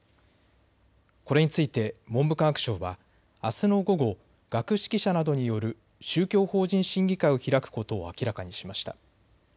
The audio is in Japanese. これについて文部科学省はあすの午後、学識者などによる宗教法人審議会を開くことを明らかにしました。